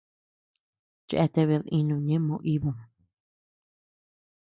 Cheatea bed inu ñëʼe Moo ibu.